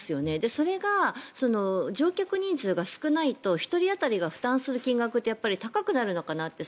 それが乗客人数が少ないと１人当たりが負担する金額が高くなるのかなって。